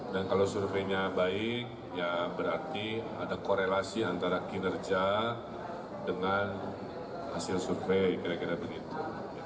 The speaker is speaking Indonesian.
dan kalau surveynya baik ya berarti ada korelasi antara kinerja dengan hasil survei kira kira begitu